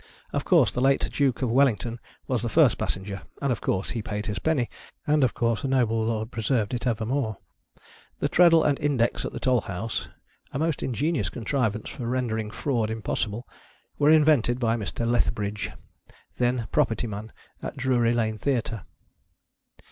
Of course the late Duke of Wellington was the first passenger, and of course he paid his penny, and of course a noble lord preserved it ever more. The treadle and index at the toll house (a most ingenious contrivance for rendering fraud impossible), were invented by Mr. Lethbridge, then property man at Drury Lane Theatre.